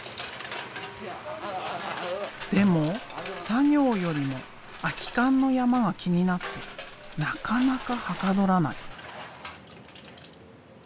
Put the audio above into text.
でも作業よりも空き缶の山が気になってなかなかはかどらない。